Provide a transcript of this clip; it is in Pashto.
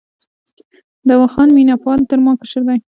دوا خان مینه پال تر ما کشر دی.